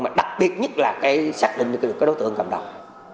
mà đặc biệt nhất là xác định được đối tượng cầm đồng